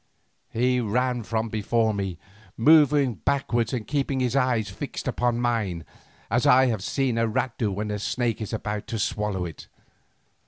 He ran from before me, moving backwards and keeping his eyes fixed upon mine, as I have seen a rat do when a snake is about to swallow it.